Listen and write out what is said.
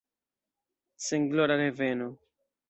Senglora reveno!